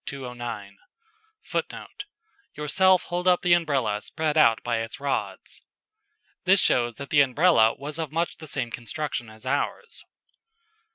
[Footnote: "Yourself hold up the umbrella spread out by its rods"] This shows that the Umbrella was of much the same construction as ours.